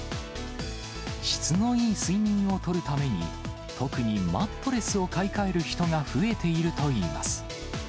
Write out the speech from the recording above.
質のいい睡眠をとるために、特にマットレスを買い替える人が増えているといいます。